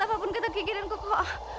apapun kata gigi dan koko